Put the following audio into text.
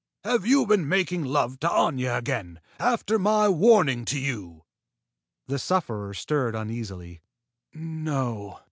Have you been making love to Aña again, after my warning to you?" The sufferer stirred uneasily. "No!"